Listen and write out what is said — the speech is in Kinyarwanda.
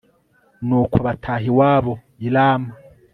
nuko bataha iwabo i rama